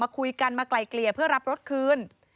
คุยกันมาไกลเกลี่ยเพื่อรับรถคืน